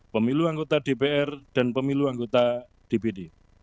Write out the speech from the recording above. pemilu anggota dpr dan pemilu anggota dpd